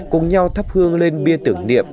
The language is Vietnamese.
cùng nhau thắp hương lên bia tưởng niệm